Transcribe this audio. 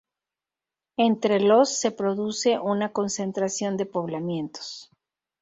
Entre los se produce una concentración de poblamientos.